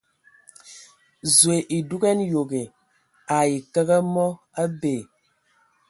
Zoe a dugan yoge ai kǝg a mɔ, a bee !